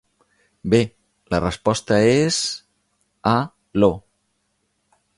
Bé, la resposta és... A Io.